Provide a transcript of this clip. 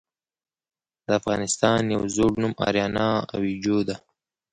د افغانستان يو ﺯوړ نوم آريانا آويجو ده .